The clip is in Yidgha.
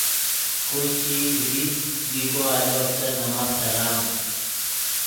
خوشچئی کیدی دی کو آلو استت نے ماف سلام۔